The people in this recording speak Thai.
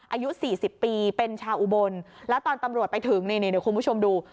อายุสี่สิบปีเป็นชาวอุบลแล้วตอนตำรวจไปถึงนี่เดี๋ยวคุณผู้ชมดู